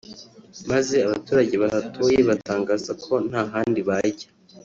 maze abaturage bahatuye batangaza ko nta handi bajya